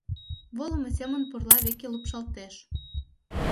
Волымо семын пурла веке лупшалтеш.